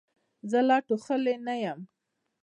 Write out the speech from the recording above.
زه لا ټوخلې نه یم.